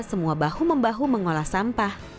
semua bahu membahu mengolah sampah